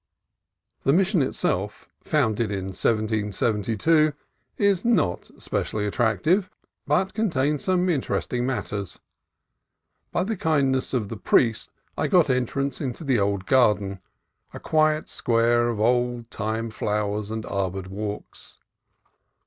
The Mission itself, founded in 1772, is not spe cially attractive, but contains some interesting mat ters. By the kindness of the priest I got entrance into the old garden, a quiet square of old time flow ers and arbored walks.